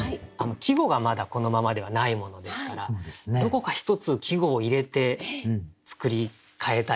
季語がまだこのままではないものですからどこか１つ季語を入れて作り変えたいなと。